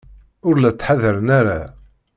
Ur la ttḥadaren ara.